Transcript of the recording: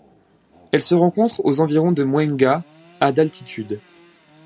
Elle se rencontre aux environs de Mwenga à d'altitude.